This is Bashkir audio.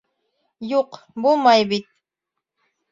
Юҡ, булмай бит.